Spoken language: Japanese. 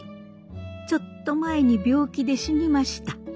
ちょっと前に病気で死にました。